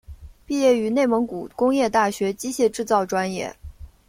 毕业于内蒙古工业大学机械制造专业。